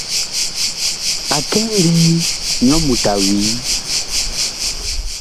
A kɛ ŋmbii, nyɔ mut a wii.